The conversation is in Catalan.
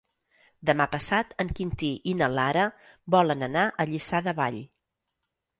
Demà passat en Quintí i na Lara volen anar a Lliçà de Vall.